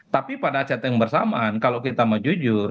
tapi pada saat yang bersamaan kalau kita mau jujur